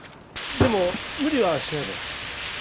でも無理はしないでね。